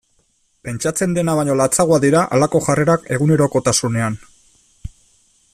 Pentsatzen dena baino latzagoak dira halako jarrerak egunerokotasunean.